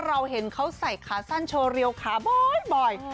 เราเห็นเข้าใส่ค้าสั้นชัวร์เรียลค้าบ่อย